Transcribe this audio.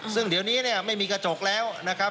ซึ่งเดี๋ยวนี้เนี่ยไม่มีกระจกแล้วนะครับ